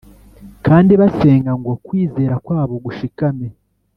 kandi basenga ngo kwizera kwabo gushikame